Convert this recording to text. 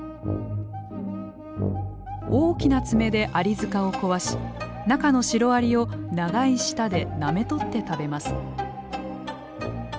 大きな爪でアリ塚を壊し中のシロアリを長い舌でなめ取って食べます。